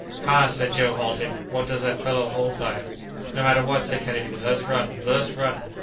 "Ha!" said Joe, halting, "what does that fellow hold by?" "No matter what!" said Kennedy; "let us run! let us run!"